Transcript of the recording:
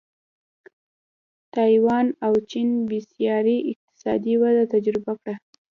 تایوان او چین بېسارې اقتصادي وده تجربه کړه.